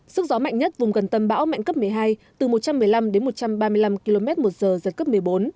sức gió mạnh nhất vùng gần tâm bão mạnh cấp một mươi hai từ một trăm một mươi năm đến một trăm ba mươi năm km một giờ giật cấp một mươi bốn